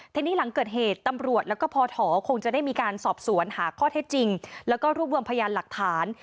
ทีนี้หลังเกิดเหตุตำรวจแล้วก็พอถอคงจะได้มีการสอบสวนหาข้อเท็จจริงแล้วก็รวบรวมพยานหลักฐาน